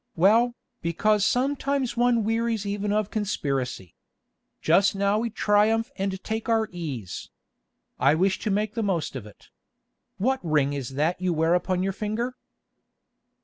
Well, because sometimes one wearies even of conspiracy. Just now we triumph and can take our ease. I wish to make the most of it. What ring is that you wear upon your finger?"